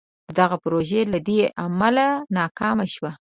دغه پروژه له دې امله ناکامه شوه.